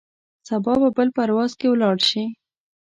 سبا به بل پرواز کې لاړ شې.